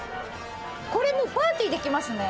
これもうパーティーできますね。